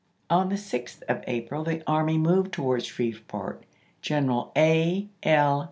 On the 6th of April the army moved towards Shreveport, General A. L.